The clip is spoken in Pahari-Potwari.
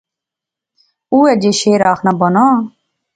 اوہے جے شعر آخنا بانا